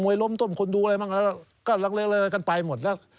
ล้มต้มคนดูอะไรบ้างแล้วก็เลอกันไปหมดแล้ว